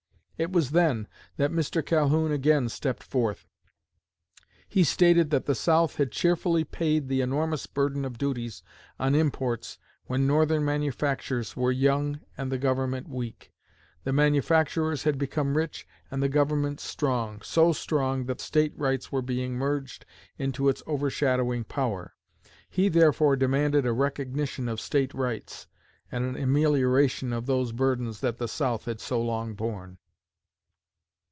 It was then that Mr. Calhoun again stepped forth. He stated that the South had cheerfully paid the enormous burden of duties on imports when Northern manufactures were young and the Government weak; the manufacturers had become rich, and the Government strong so strong that State rights were being merged into its overshadowing power; he therefore demanded a recognition of State rights, and an amelioration of those burdens that the South had so long borne.